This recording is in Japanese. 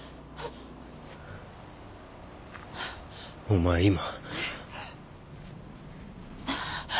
お前今。